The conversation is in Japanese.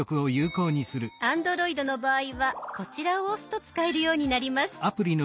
Ａｎｄｒｏｉｄの場合はこちらを押すと使えるようになります。